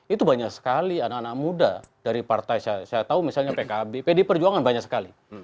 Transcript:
itu banyak sekali anak anak muda dari partai saya tahu misalnya pkb pd perjuangan banyak sekali